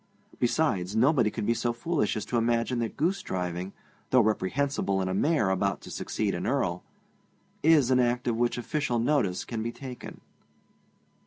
Besides, nobody could be so foolish as to imagine that goosedriving, though reprehensible in a Mayor about to succeed an Earl, is an act of which official notice can be taken.